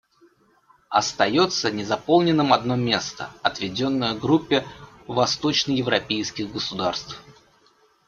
Остается незаполненным одно место, отведенное Группе восточноевропейских государств.